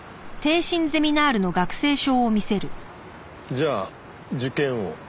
じゃあ受験を？